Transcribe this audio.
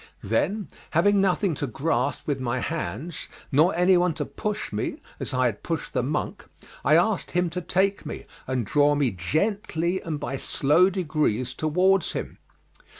Then, having nothing to grasp with my hands, nor anyone to push me as I had pushed the monk, I asked him to take me, and draw me gently and by slow degrees towards him.